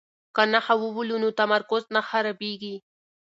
که نښه وولو نو تمرکز نه خرابیږي.